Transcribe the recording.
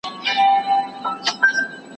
هغه به له مودې زده کړه کړې وي.